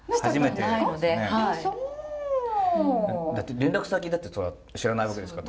連絡先だって知らないわけですから。